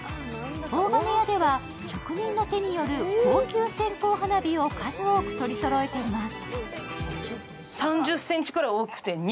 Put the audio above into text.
大金屋では、職人の手による高級線香花火を数多く取りそろえています。